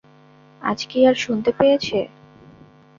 আজ কি আর শুনতে পেয়েছে।